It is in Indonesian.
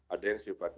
ada yang sifat